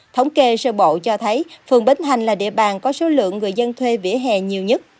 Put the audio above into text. thống kê sơ bộ cho thấy phường bến hành là địa bàn có số lượng người dân thuê vỉa hè nhiều nhất